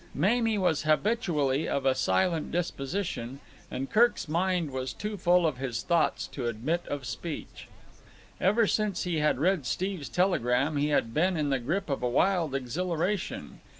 Mamie was habitually of a silent disposition, and Kirk's mind was too full of his thoughts to admit of speech. Ever since he had read Steve's telegram he had been in the grip of a wild exhilaration.